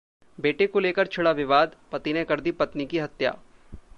बेटे को लेकर छिड़ा विवाद, पति ने कर दी पत्नी की हत्या